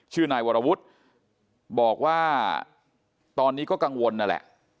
นายวรวุฒิบอกว่าตอนนี้ก็กังวลนั่นแหละ